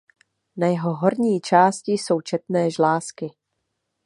Na jeho horní části jsou četné žlázky.